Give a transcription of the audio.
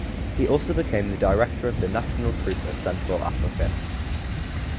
He also became the director of the National Troupe of Central Africa.